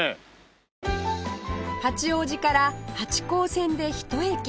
八王子駅から八高線で１駅